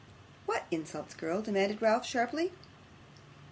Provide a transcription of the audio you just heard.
'What insults, girl?' demanded Ralph, sharply.